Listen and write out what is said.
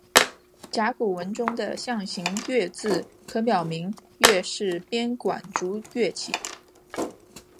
甲骨文中的象形龠字可表明龠是编管竹乐器。